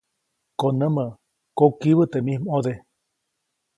Konämä, kokibä teʼ mij ʼmode.